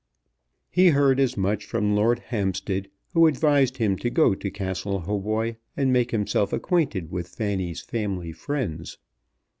He heard as much from Lord Hampstead, who advised him to go to Castle Hautboy, and make himself acquainted with Fanny's family friends.